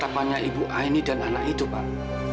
kapannya ibu aini dan anak itu pak